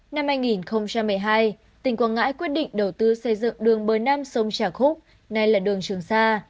năm hai nghìn một mươi hai tỉnh quảng ngãi quyết định đầu tư xây dựng đường bờ nam sông trà khúc này là đường trường sa